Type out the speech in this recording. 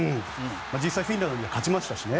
実際フィンランドには勝ちましたしね。